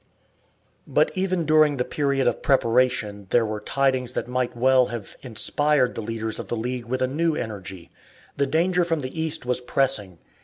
But even during the period of preparation there were tidings that might well have inspired the leaders of the League with a new energy. The danger from the East was pressing.